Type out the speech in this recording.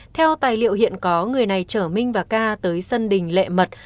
theo tài liệu hiện có người này chở minh và ca tới sân đình lệ mật